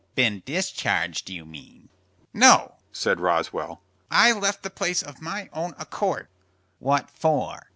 "Been discharged, you mean." "No," said Roswell, "I left the place of my own accord." "What for?"